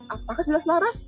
apakah sudah selaras